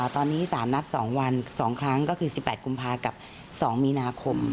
ตอนนี้สามนับสองวันสองครั้งก็คือสิบแปดกุมภาคมกับสองมีนาคม